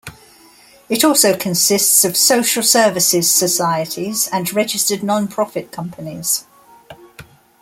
It also consists of social services societies and registered non-profit companies.